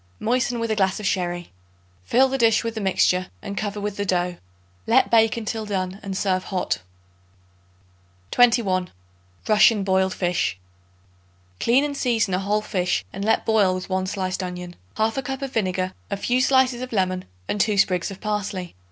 Moisten with a glass of sherry. Fill the dish with the mixture and cover with the dough. Let bake until done and serve hot. 21. Russian Boiled Fish. Clean and season a whole fish and let boil with 1 sliced onion, 1/2 cup of vinegar, a few slices of lemon and 2 sprigs of parsley.